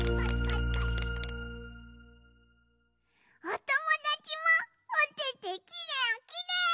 おともだちもおててきれいきれい！